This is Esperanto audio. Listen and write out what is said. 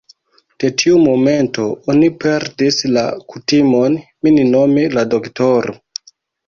De tiu momento, oni perdis la kutimon, min nomi la doktoro.